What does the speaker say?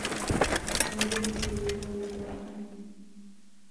اوړه د کليوالو لپاره مهم دي